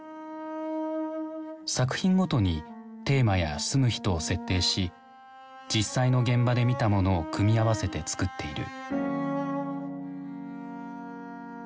作品ごとにテーマや住む人を設定し実際の現場で見たものを組み合わせて作っている。